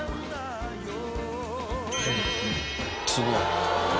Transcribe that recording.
すごい。